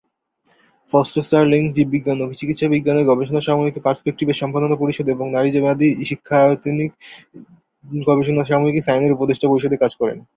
Fausto-Sterling জীববিজ্ঞান ও চিকিৎসাবিজ্ঞানের গবেষণা সাময়িকী "পারস্পেকটিভ"-এর সম্পাদনা পরিষদ এবং নারীবাদী উচ্চশিক্ষায়তনিক গবেষণা সাময়িকী "সাইন"- এর উপদেষ্টা পরিষদে কাজ করেন।